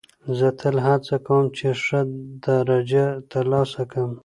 زه تل هڅه کوم، چي ښه درجه ترلاسه کم.